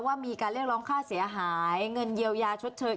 ว่ามีการเรียกร้องค่าเสียหายเงินเยียวยาชดเชย